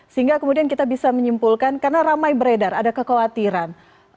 sehingga kemudian kita bisa menyimpulkan karena ramai beredar ada kekhawatiran